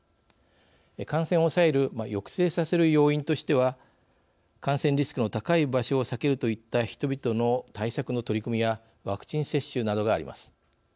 感染を抑える、抑制させる要因としては感染リスクの高い場所を避けるといった人々の対策の取り組みやワクチン接種などがあります。